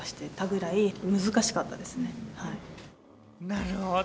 なるほど！